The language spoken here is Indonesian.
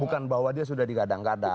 bukan bahwa dia sudah di gadang gadang